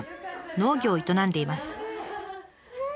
農業を営んでいます。